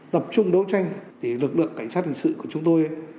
tập trung đấu tranh thì lực lượng cảnh sát hình sự của chúng tôi